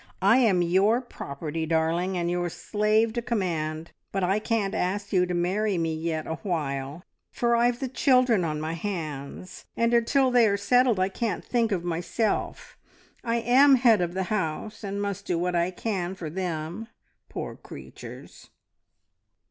I am your property, darling, and your slave to command, but I can't ask you to marry me yet awhile, for I've the children on my hands, and until they are settled I can't think of myself. I am the head of the house, and must do what I can for them, poor creatures.